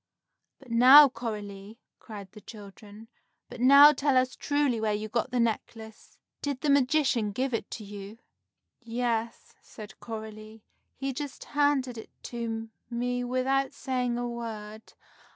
"But now, Coralie," cried the children, "but now tell us truly where you got the necklace. Did the magician give it to you?" "Yes," said Coralie, "he just handed it to me without saying a word.